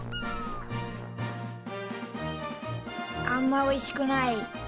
あんまおいしくない。